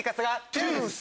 トゥース。